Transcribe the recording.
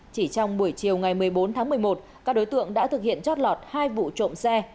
chỉ trong buổi chiều ngày một mươi bốn tháng một mươi một các đối tượng đã thực hiện chót lọt hai vụ trộm xe